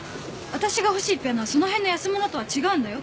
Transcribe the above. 私が欲しいピアノはその辺の安物とは違うんだよ